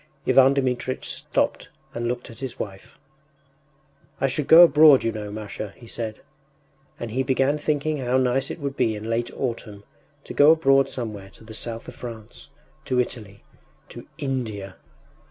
Ivan Dmitritch stopped and looked at his wife. “I should go abroad, you know, Masha,” he said. And he began thinking how nice it would be in late autumn to go abroad somewhere to the South of France... to Italy.... to India!